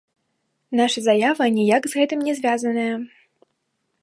Наша заява ніяк з гэтым не звязаная.